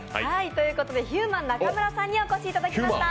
ということでヒューマン中村さんにお越しいただきました。